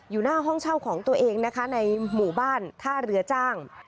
หน้าห้องเช่าของตัวเองนะคะในหมู่บ้านท่าเรือจ้าง